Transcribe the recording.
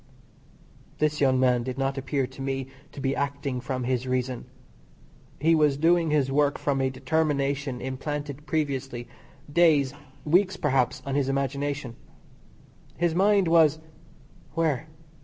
This young man did not appear to me to be acting from his reason. He was doing his work from a determination implanted previously, days, weeks perhaps, on his imagination. His mind was where?